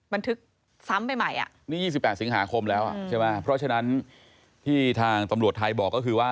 บันทึกซ้ำไปใหม่อ่ะนี่๒๘สิงหาคมแล้วใช่ไหมเพราะฉะนั้นที่ทางตำรวจไทยบอกก็คือว่า